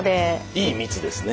いい密ですね。